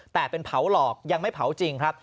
แต่เป็นเผาหลอกยังไม่เผาจริงครับ